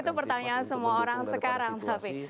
itu pertanyaan semua orang sekarang tapi